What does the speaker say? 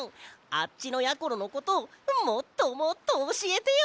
あっちのやころのこともっともっとおしえてよ！